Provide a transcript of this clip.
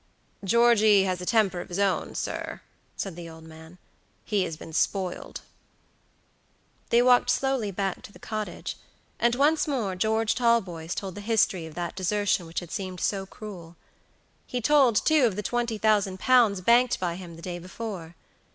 "Georgey has a temper of his own, sir," said the old man. "He has been spoiled." They walked slowly back to the cottage, and once more George Talboys told the history of that desertion which had seemed so cruel. He told, too, of the twenty thousand pounds banked by him the day before.